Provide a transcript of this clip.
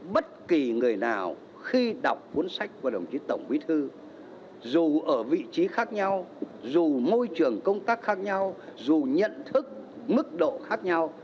bất kỳ người nào khi đọc cuốn sách của đồng chí tổng bí thư dù ở vị trí khác nhau dù môi trường công tác khác nhau dù nhận thức mức độ khác nhau